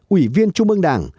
ủy viên trung ương đảng